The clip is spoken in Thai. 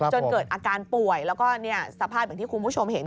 จนเกิดอาการป่วยแล้วก็สภาพอย่างที่คุณผู้ชมเห็น